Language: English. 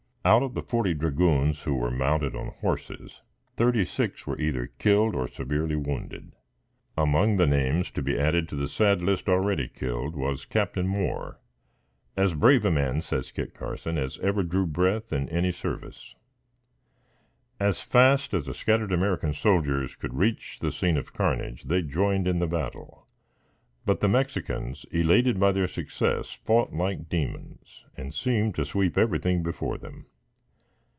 Out of the forty dragoons who were mounted on horses, thirty six were either killed or severely wounded. Among the names to be added to the sad list already killed, was Captain Moore, "as brave a man," says Kit Carson, "as ever drew breath in any service." As fast as the scattered American soldiers could reach the scene of carnage, they joined in the battle; but, the Mexicans, elated by their success, fought like demons, and seemed to sweep everything before them.